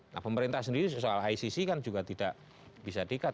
nah pemerintah sendiri soal icc kan juga tidak bisa diikat